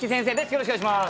よろしくお願いします。